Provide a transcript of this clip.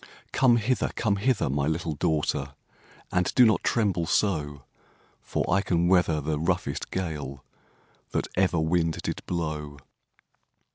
'Come hither! come hither! my little daughtèr. And do not tremble so; For I can weather the roughest gale That ever wind did blow.'